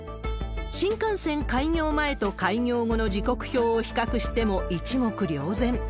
新幹線開業前と開業後の時刻表を比較しても一目瞭然。